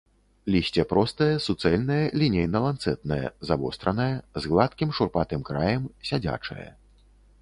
Лісце простае, суцэльнае, лінейна-ланцэтнае, завостранае, з гладкім шурпатым краем, сядзячае.